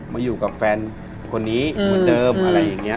มาอยู่กับแฟนคนนี้เหมือนเดิมอะไรอย่างนี้